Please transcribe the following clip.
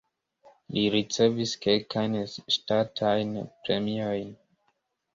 Li ricevis kelkajn ŝtatajn premiojn.